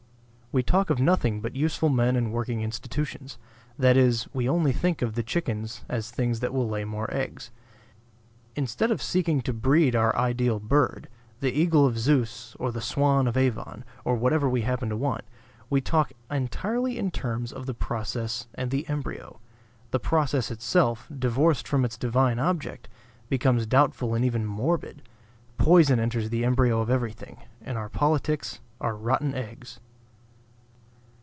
We talk of nothing but useful men and working institutions; that is, we only think of the chickens as things that will lay more eggs. Instead of seeking to breed our ideal bird, the eagle of Zeus or the Swan of Avon, or whatever we happen to want, we talk entirely in terms of the process and the embryo. The process itself, divorced from its divine object, becomes doubtful and even morbid; poison enters the embryo of everything; and our politics are rotten eggs.